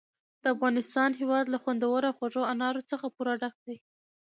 د افغانستان هېواد له خوندورو او خوږو انارو څخه پوره ډک دی.